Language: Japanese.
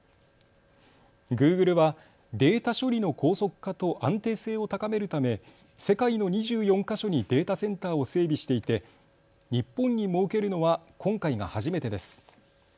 グーグルはデータ処理の高速化と安定性を高めるため世界の２４か所にデータセンターを整備していて日本に設けるのは今回が初めてです。